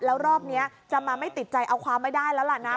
แล้วรอบนี้จะมาไม่ติดใจเอาความไม่ได้แล้วล่ะนะ